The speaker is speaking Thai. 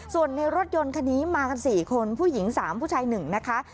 ส่วนในรถยนต์คันนี้มาสี่คนผู้หญิงสามผู้ชายหนึ่งนะคะ